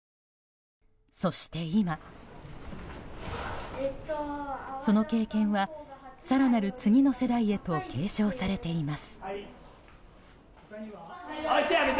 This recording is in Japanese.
そして今、その経験は更なる次の世代へと継承されています。